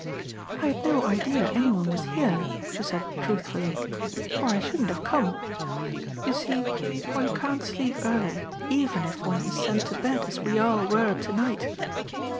"I had no idea anyone was here," she said truthfully, "or I shouldn't have come. You see one can't sleep early even if one is sent to bed as we all were tonight."